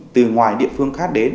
từ ngoài địa phương khác đến